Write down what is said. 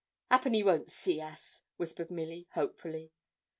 ''Appen he won't see us,' whispered Milly, hopefully.